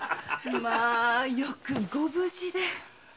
まあよくご無事で。